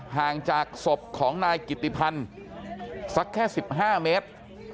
ห่างจากศพของนายกิติพันธ์สักแค่๑๕เมตร